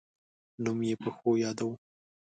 نوم یې په ښو یاداوه.